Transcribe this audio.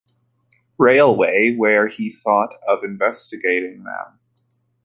Railway, where he thought of investigating them.